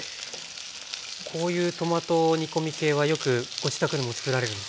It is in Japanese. こういうトマト煮込み系はよくご自宅でもつくられるんですか？